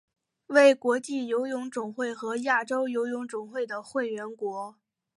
为国际游泳总会和亚洲游泳总会的会员国。